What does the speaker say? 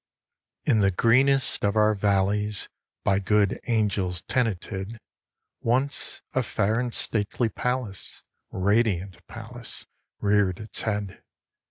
In the greenest of our valleys By good angels tenanted, Once a fair and stately palace Radiant palace reared its head.